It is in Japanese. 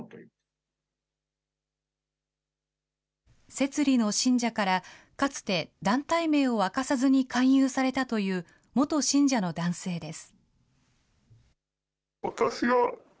摂理の信者から、かつて団体名を明かさずに勧誘されたという元信者の男性です。